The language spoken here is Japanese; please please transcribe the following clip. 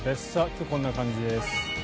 今日はこんな感じです。